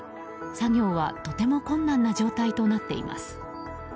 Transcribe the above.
作業はとても困難な状態となっています。